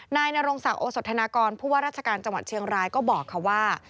นายนรงศักดิ์โอสธนากรผู้ว่าราชการจังหวัดเชียงรายก็บอกค่ะว่า